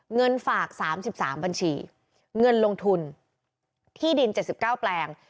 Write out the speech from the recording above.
เงินฝาก๓๓บัญชีเงินลงทุนที่ดิน๗๙แปลง